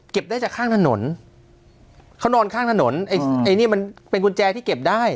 ได้จากข้างถนนเขานอนข้างถนนไอ้ไอ้นี่มันเป็นกุญแจที่เก็บได้